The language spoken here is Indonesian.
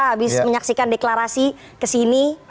habis menyaksikan deklarasi kesini